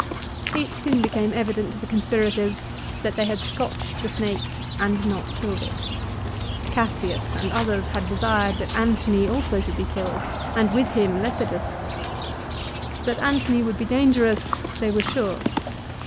2 It soon became evident to the conspirators that they had scotched the snake and not killed it. Cassius and others had desired that Antony also should be killed, and with him Lepidus. That Antony would be dangerous they were sure.